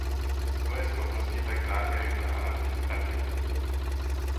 Svoje schopnosti tak záhy rychle a navždy ztratil.